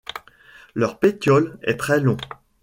Leur pétiole est très long.